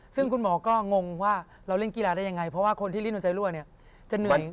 ซึ่งคุณหมอก็งงว่าเราเล่นกีฬาได้ยังไงเพราะว่าคนที่ริ่นโดนใจรั่วเนี่ยจะเหนื่อย